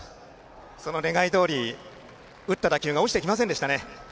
その願いどおり打った打球が落ちてきませんでしたね。